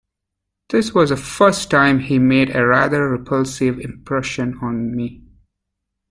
This was the first time he made a rather repulsive impression on me.